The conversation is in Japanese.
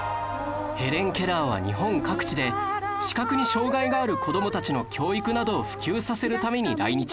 ヘレン・ケラーは日本各地で視覚に障害がある子供たちの教育などを普及させるために来日